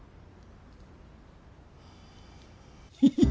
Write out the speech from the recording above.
フフ。